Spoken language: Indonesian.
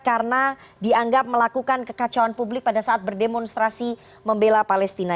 karena dianggap melakukan kekacauan publik pada saat berdemonstrasi membela palestina